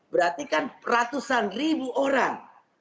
berarti kan ratusan ribu orang